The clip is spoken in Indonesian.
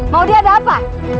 maudie ada apa